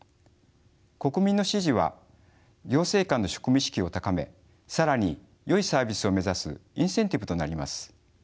国民の支持は行政官の職務意識を高め更によいサービスを目指すインセンティブとなります。